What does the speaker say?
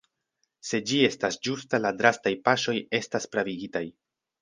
Se ĝi estas ĝusta la drastaj paŝoj estas pravigitaj.